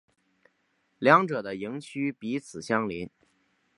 两者的营区彼此相邻。